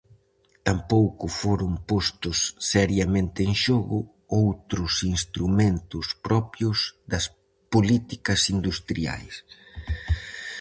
Tampouco foron postos seriamente en xogo outros instrumentos propios das políticas industriais.